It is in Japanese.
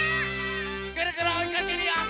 ぐるぐるおいかけるよ！